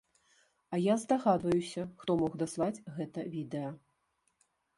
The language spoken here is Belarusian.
А я здагадваюся, хто мог даслаць гэта відэа.